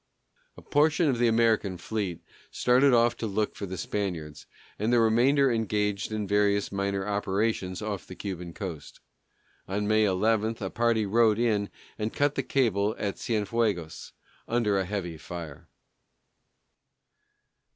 A portion of the American fleet started off to look for the Spaniards, and the remainder engaged in various minor operations off the Cuban coast. On May 11 a party rowed in and cut the cables at Cienfuegos, under a heavy fire.